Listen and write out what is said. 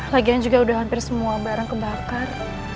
lagian juga udah hampir semua barang kebakar